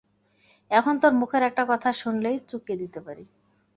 এখন, তোর মুখের একটা কথা শুনলেই চুকিয়ে দিতে পারি।